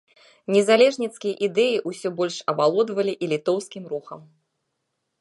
Незалежніцкія ідэі ўсё больш авалодвалі і літоўскім рухам.